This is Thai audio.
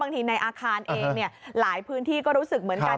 ในอาคารเองหลายพื้นที่ก็รู้สึกเหมือนกัน